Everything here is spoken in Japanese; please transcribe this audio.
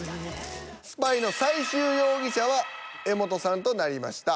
スパイの最終容疑者は柄本さんとなりました。